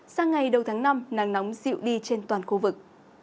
sang ngày đầu tháng năm nắng nóng dịu đi trên toàn khu vực